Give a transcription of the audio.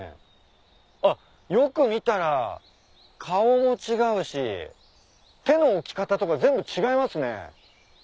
あっよく見たら顔も違うし手の置き方とか全部違いますね。